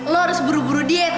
lo harus buru buru diet